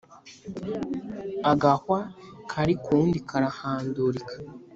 Agahwa kari k’uwundi karahandurika.